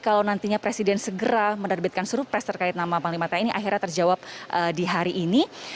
kalau nantinya presiden segera menerbitkan suruh pres terkait nama panglima tni akhirnya terjawab di hari ini